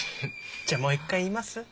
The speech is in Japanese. じゃもう一回言います？